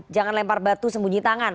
jangan lempar batu sembunyi tangan